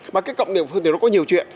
mà cái cộng địa phương thì nó có nhiều chuyện